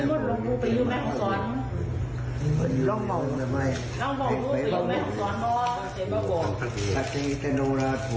หลวงปู่ท่านจะบอกว่ายังไงเนี่ยเดี๋ยวท่านลองฟังดูนะฮะ